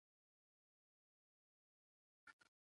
و يې ويل.